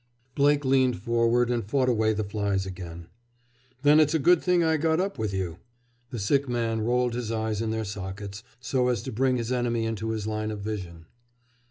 Blake leaned forward and fought away the flies again. "Then it's a good thing I got up with you." The sick man rolled his eyes in their sockets, so as to bring his enemy into his line of vision.